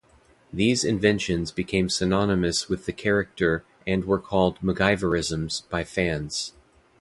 These inventions became synonymous with the character and were called MacGyverisms by fans.